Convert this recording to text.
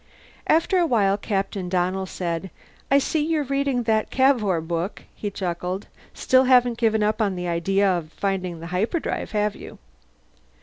After a while Captain Donnell said, "I see you're still reading that Cavour book." He chuckled. "Still haven't given up the idea of finding the hyperdrive, have you?"